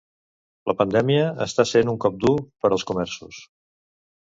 La pandèmia està sent un cop dur per als comerços.